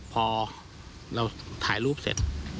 พอถ่ายรูปเสร็จ